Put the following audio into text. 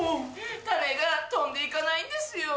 種が飛んでいかないんですよ。